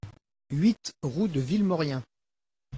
huit route de Villemorien